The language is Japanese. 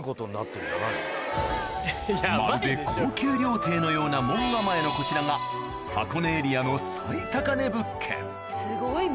まるで高級料亭のような門構えのこちらが箱根エリアのすごい門。